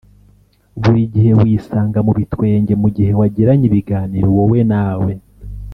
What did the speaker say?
Buri gihe wisanga mu bitwenge mu gihe wagiranye ibiganiro wowe nawe